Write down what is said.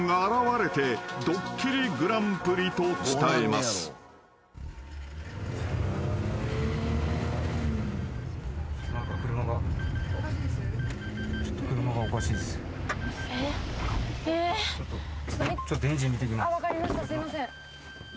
すいません。